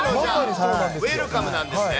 ウェルカムなんですね。